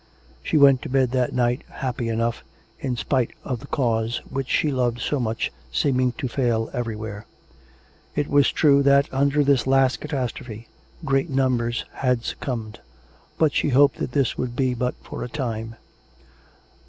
She went to bed that night, happy enough, in spite of the cause, which she loved so much, seeming to fail every where. It was true that, under this last catastrophe, great numbers had succumbed; but she hoped that this would be but for a time.